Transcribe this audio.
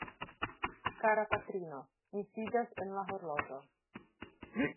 Kara patrino, mi sidas en la horloĝo.